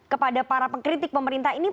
kepada para pengkritik pemerintah ini